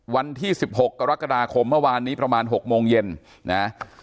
วันที่๑๖กรกฎาคมเมื่อวานนี้ประมาณ๖โมงเย็นนะ